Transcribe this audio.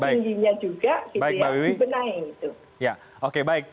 baik baik mbak wiwi